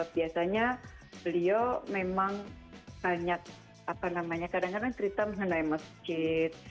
biasanya beliau memang banyak apa namanya kadang kadang cerita mengenai masjid